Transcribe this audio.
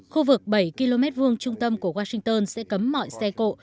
khu vực bảy km hai trung tâm của washington sẽ cấm mọi xe cộ